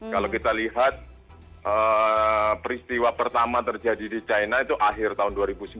kalau kita lihat peristiwa pertama terjadi di china itu akhir tahun dua ribu sembilan belas